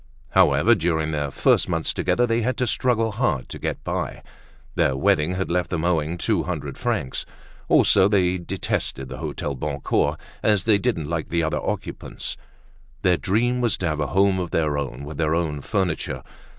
However, during their first months together they had to struggle hard to get by. Their wedding had left them owing two hundred francs. Also, they detested the Hotel Boncoeur as they didn't like the other occupants. Their dream was to have a home of their own with their own furniture.